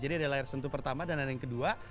jadi ada layar sentuh pertama dan ada yang kedua